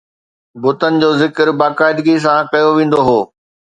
بتن جو ذڪر باقاعدگي سان ڪيو ويندو هو